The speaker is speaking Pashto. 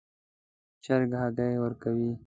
چرګ هګۍ ورکوي